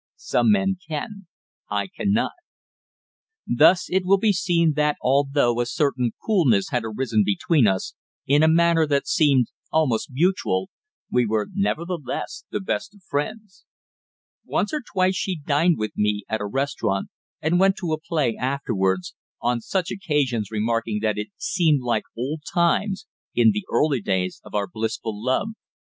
Some men can; I cannot. Thus it will be seen that although a certain coolness had arisen between us, in a manner that seemed almost mutual, we were nevertheless the best of friends. Once or twice she dined with me at a restaurant, and went to a play afterwards, on such occasions remarking that it seemed like "old times," in the early days of our blissful love.